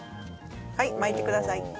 はい巻いてください。